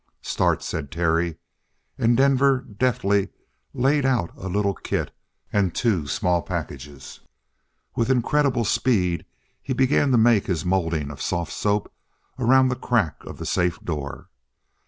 "Start!" said Terry, and Denver deftly laid out a little kit and two small packages. With incredible speed he began to make his molding of soft soap around the crack of the safe door.